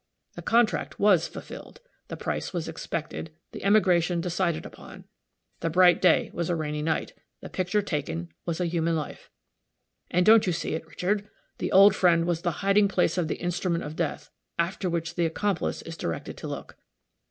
The contract was fulfilled. The price was expected, the emigration decided upon. The bright day was a rainy night; the picture taken was a human life. And, don't you see it, Richard? the old friend was the hiding place of the instrument of death, after which the accomplice is directed to look.